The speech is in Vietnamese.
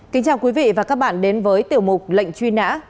kính chào quý vị và các bạn đến với tiểu mục lệnh truy nã